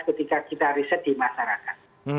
ketika kita riset di masyarakat